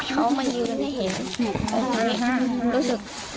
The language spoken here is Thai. เขามายืนให้เห็นรู้สึก